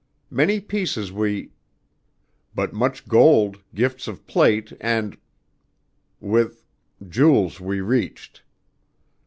Many pieces we but much gold, gifts of plate, and with jewels we reached.